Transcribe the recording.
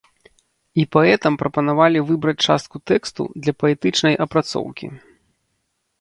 І паэтам прапанавалі выбраць частку тэксту для паэтычнай апрацоўкі.